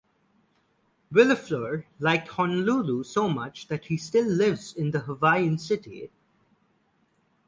Villaflor liked Honolulu so much that he still lives in the Hawaiian city.